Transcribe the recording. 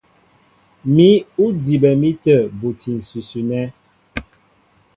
Mǐ' ó dibɛ mi tə̂ buti ǹsʉsʉ nɛ́.